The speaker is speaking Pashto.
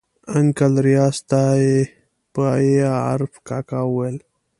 انکل ریاض ته یې په ي عرف کاکا ویل.